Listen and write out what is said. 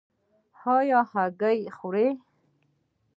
ایا هګۍ خورئ؟